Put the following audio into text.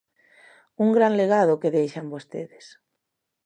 ¡Un gran legado o que deixan vostedes!